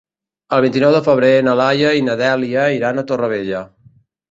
El vint-i-nou de febrer na Laia i na Dèlia iran a Torrevella.